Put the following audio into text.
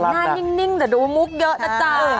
หน้านิ่งแต่ดูมุกเยอะนะจ๊ะ